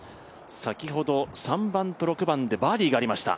先ほど、３番と６番でバーディーがありました。